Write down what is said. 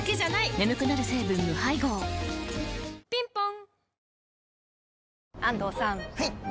眠くなる成分無配合ぴんぽん